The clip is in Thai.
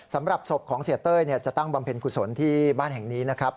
สำหรับศพของเศรษฐ์เต้ยเนี่ยจะตั้งบำเพ็ญขุดสนที่บ้านแห่งนี้นะครับ